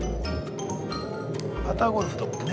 パターゴルフだもんね。